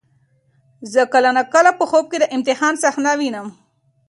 زه کله ناکله په خوب کې د امتحان صحنه وینم.